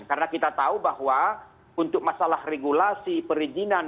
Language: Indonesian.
karena kita tahu bahwa untuk masalah regulasi perizinan